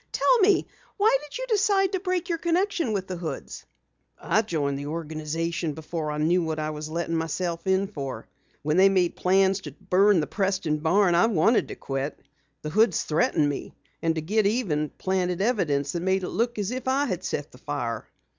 "Tell me, why did you decide to break your connection with the Hoods?" "I joined the organization before I knew what I was letting myself in for. When they made plans to burn the Preston barn, I wanted to quit. The Hoods threatened me, and to get even, planted evidence that made it look as if I had set the fire."